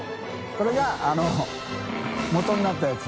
海譴もとになったやつ。